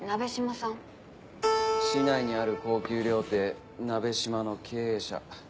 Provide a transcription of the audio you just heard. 市内にある高級料亭「なべしま」の経営者。